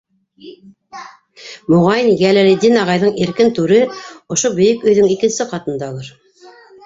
Моғайын, Йәләлетдин ағайҙың «иркен түре» ошо бейек өйҙөң икенсе ҡатындалыр.